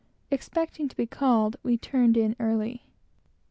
Expecting to be called up, we turned in early.